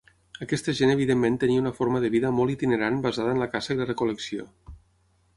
Aquesta gent evidentment tenia una forma de vida molt itinerant basada en la caça i la recol·lecció.